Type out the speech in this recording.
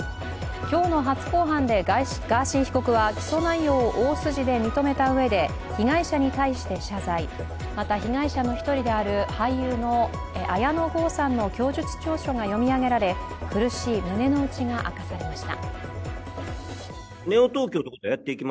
今日の初公判でガーシー被告は起訴内容を大筋で認めたうえで被害者に対して謝罪、また被害者の１人である俳優の綾野剛さんの供述調書が読み上げられ苦しい胸のうちが明かされました。